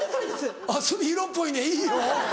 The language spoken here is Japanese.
鷲見色っぽいねいいよ。